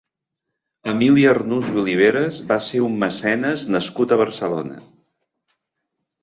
Emili Arnús i Oliveras va ser un mecenes nascut a Barcelona.